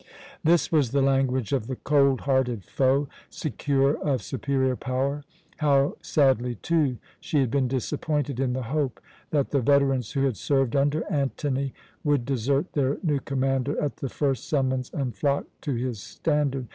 This was the language of the cold hearted foe, secure of superior power. How sadly, too, she had been disappointed in the hope that the veterans who had served under Antony would desert their new commander at the first summons and flock to his standard!